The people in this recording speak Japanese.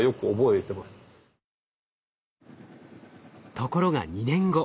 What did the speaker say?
ところが２年後。